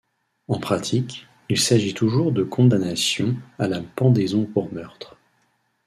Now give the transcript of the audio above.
En pratique, il s'agit toujours de condamnation à la pendaison pour meurtre.